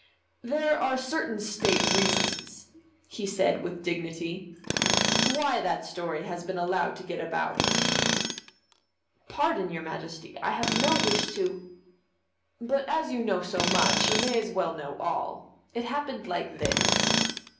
"There are certain state reasons," he said with dignity, "why that story has been allowed to get about." "Pardon, your Majesty. I have no wish to " "But as you know so much, you may as well know all. It happened like this."